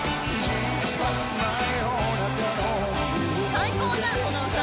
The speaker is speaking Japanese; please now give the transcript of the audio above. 最高じゃんこの歌。